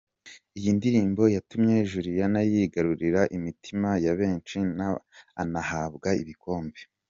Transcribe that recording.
Iyi ndirimbo yatumye Juliana yigarurira imitima ya benshi anahabwa ibikombe.